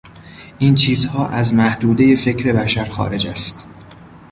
این چیزها از محدودهی فکر بشر خارج است.